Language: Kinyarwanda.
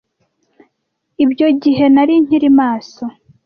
Ibyo gihe, nari nkiri maso.